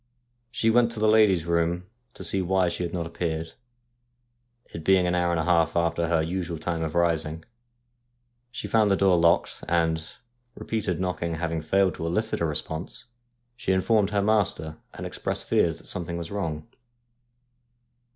She went to the lady's room to see why she had not appeared, it being an hour and a half after her usual time of rising. She found the door locked, and, repeated knocking having failed to elicit a response, she informed her master, and expressed fears that something was wrong.